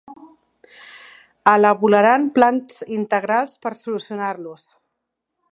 Elaboraran plans integrals per solucionar-los.